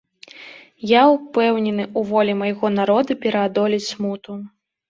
Я ўпэўнены, у волі майго народа пераадолець смуту.